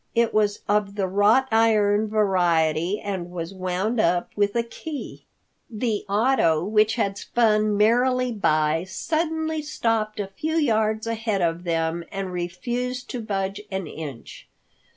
It was of the wrought iron variety, and was wound up with a key. The auto which had spun merrily by suddenly stopped a few yards ahead of them and refused to budge an inch.